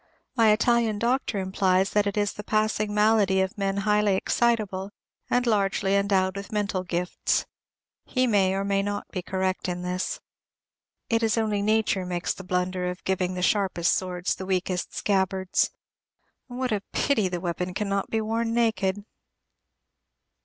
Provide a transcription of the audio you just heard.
My Italian doctor implies that it is the passing malady of men highly excitable, and largely endowed with mental gifts. He may, or may not, be correct in this. It is only nature makes the blunder of giving the sharpest swords the weakest scabbards. What a pity the weapon cannot be worn naked!